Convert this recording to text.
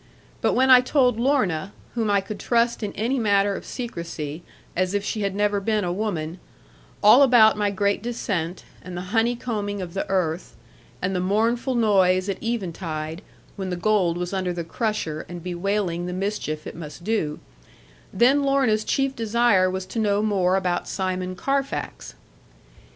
But when I told Lorna whom I could trust in any matter of secrecy, as if she had never been a woman all about my great descent, and the honeycombing of the earth, and the mournful noise at eventide, when the gold was under the crusher and bewailing the mischief it must do, then Lorna's chief desire was to know more about Simon Carfax.